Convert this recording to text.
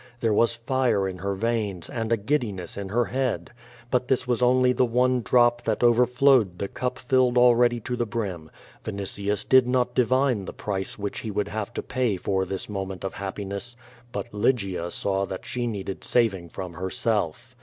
There was fire in her veins, and a giddiness in her head. Hut this was only the one drop that overflowed the cup fllled already to the brim. Vini tius did not divine the price which he would have to pay for this moment of hap))ines8. Hut Lygia saw that she n<M*ded saving from herself.